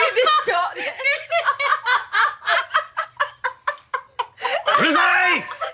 うるさい！